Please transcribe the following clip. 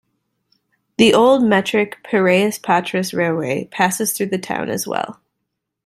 The old metric Piraeus-Patras railway passes through the town as well.